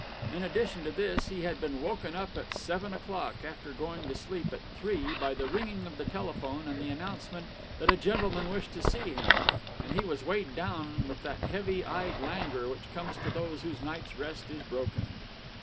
In addition to this, he had been woken up at seven o'clock, after going to sleep at three, by the ringing of the telephone and the announcement that a gentleman wished to see him: and he was weighed down with that heavy eyed languor which comes to those whose night's rest is broken.